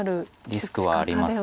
リスクはあります。